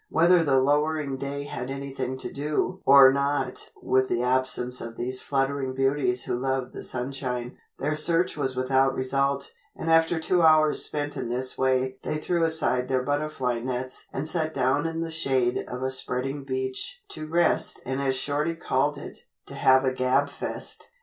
Whether the lowering day had anything to do or not with the absence of these fluttering beauties who love the sunshine, their search was without result, and after two hours spent in this way they threw aside their butterfly nets and sat down in the shade of a spreading beech to rest and as Shorty called it "to have a gabfest."